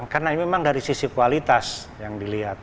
karena memang dari sisi kualitas yang dilihat